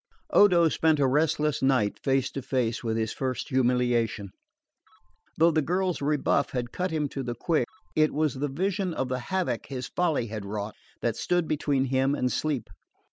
Odo spent a restless night face to face with his first humiliation. Though the girl's rebuff had cut him to the quick, it was the vision of the havoc his folly had wrought that stood between him and sleep.